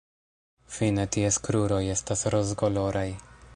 Fine ties kruroj estas rozkoloraj.